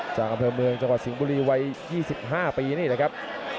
จากอำเภอเมืองจังหวัดสิงห์บุรีวัย๒๕ปีนี่แหละครับ